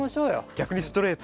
逆にストレート。